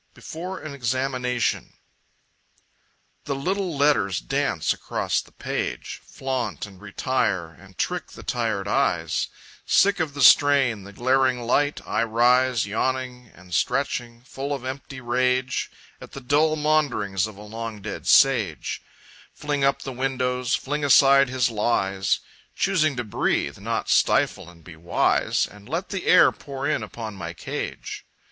Before an Examination The little letters dance across the page, Flaunt and retire, and trick the tired eyes; Sick of the strain, the glaring light, I rise Yawning and stretching, full of empty rage At the dull maunderings of a long dead sage, Fling up the windows, fling aside his lies; Choosing to breathe, not stifle and be wise, And let the air pour in upon my cage.